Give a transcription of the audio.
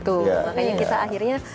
makanya kita akhirnya mengadakan